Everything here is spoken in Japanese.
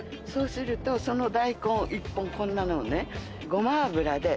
そうするとその大根１本こんなのをね。